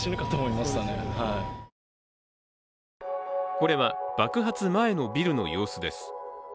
これは、爆発前のビルの様子です。